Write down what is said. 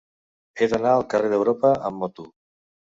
He d'anar al carrer d'Europa amb moto.